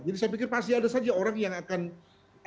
jadi saya pikir pasti ada saja orang yang akan terpikat